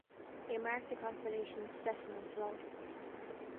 They mark the constellation's specimen slide.